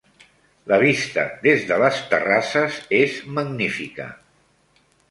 La vista des de les terrasses és magnífica.